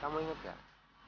kamu ingat gak